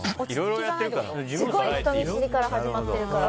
すごい人見知りから始まってるから。